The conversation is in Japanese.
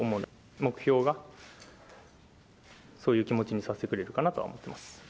目標がそういう気持ちにさせてくれるかなとは思ってます。